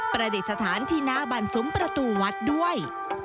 ประเด็จสถานที่นาบันสุมประตูวัดด้วย